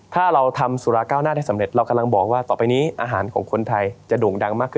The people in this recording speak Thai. ถ้าเราทำสุราเก้าหน้าได้สำเร็จเรากำลังบอกว่าต่อไปนี้อาหารของคนไทยจะโด่งดังมากขึ้น